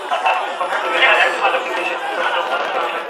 সম্পত্তির বিলি-ব্যবস্থা নিয়ে তাদেরকে বিশেষ চিন্তাযুক্ত মনে হতে লাগল।